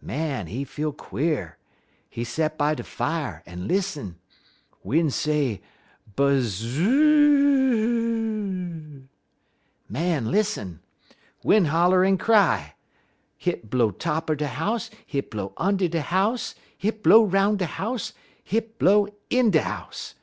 Man, he feel quare. He set by de fier en lissen. Win' say 'Buzz zoo o o o o!' Man lissen. Win' holler en cry. Hit blow top er de house, hit blow und' de house, hit blow 'roun' de house, hit blow in de house.